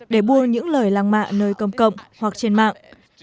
để bua những lời lăng mạ nơi công cộng hoặc trên mạng